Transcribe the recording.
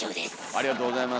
ありがとうございます。